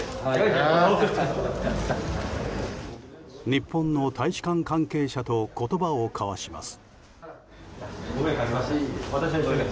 日本の大使館関係者と言葉を交わします。